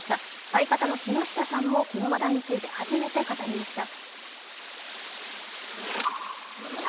相方の木下さんもこの話題について初めて語りました。